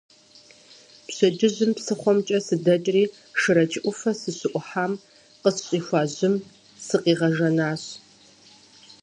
Пщэдджыжьым псыхъуэмкӏэ сыдэкӏри Шэрэдж ӏуфэ сыщыӏухьам къысщӏихуа жьым сыкъигъэжэнат.